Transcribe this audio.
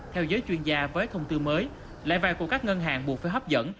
theo giới chuyên gia với thông tư mới lãi vay của các ngân hàng buộc phải hấp dẫn